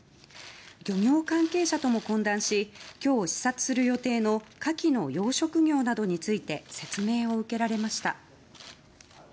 漁業関係者とも懇談し今日、視察する予定のカキの養殖業などについて説明を受けられました。